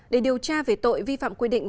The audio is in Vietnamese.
để điều tra về tội vi phạm quy định